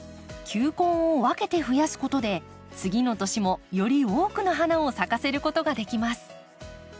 球根を分けて増やすことで次の年もより多くの花を咲かせることができます。